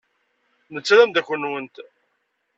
Netta d ameddakel-nwent.